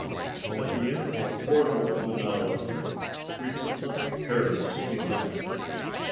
At the end of a quarter of an hour, we had left Paris behind.